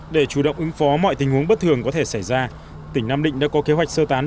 để chủ động ứng phó mọi tình huống bất thường có thể xảy ra tỉnh nam định đã có kế hoạch sơ tán